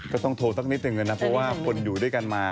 ก็ต้องโทรสักนิดหนึ่งนะครับเพราะว่าคนอยู่ด้วยกันมา